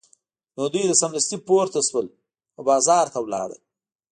نو دوی سمدستي پورته شول او بازار ته لاړل